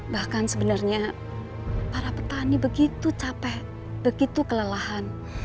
bahkan sebenarnya para petani begitu capek begitu kelelahan